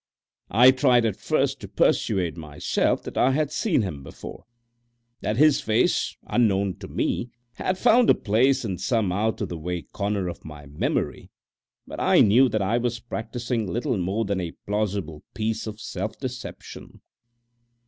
I tried at first to persuade myself that I had seen him before, that his face, unknown to me, had found a place in some out of the way corner of my memory, but I knew that I was practicing little more than a plausible piece of self deception.